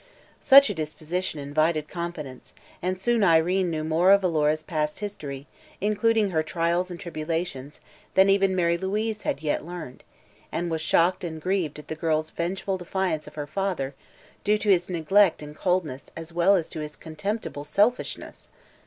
Such a disposition invited confidence, and soon Irene knew more of Alora's past history, including her trials and tribulations, than even Mary Louise had yet learned, and was shocked and grieved at the girl's vengeful defiance of her father, due to his neglect and coldness as well as to his contemptible selfishness.